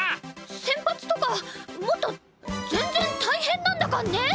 先発とかもっと全然大変なんだかんね！